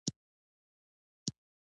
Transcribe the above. پسه د افغانستان د طبیعي زیرمو برخه ده.